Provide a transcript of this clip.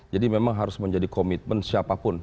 jadi memang harus menjadi komitmen siapapun